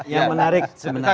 yang menarik sebenarnya